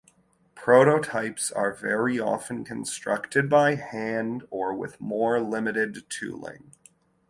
Prototypes are very often constructed by hand, or with more limited tooling.